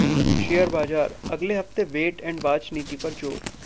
share बाजार: अगले हफ्ते wait & watch नीति पर जोर